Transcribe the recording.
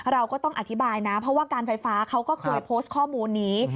เราก็ต้องอธิบายนะเพราะว่าการไฟฟ้าเขาก็เคยโพสต์ข้อมูลนี้